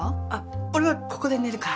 俺はここで寝るから。